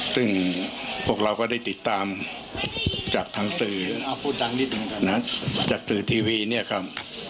ซึ่งพวกเราก็ได้ติดตามจากทางสื่อจากสื่อทีวีเนี่ยครับ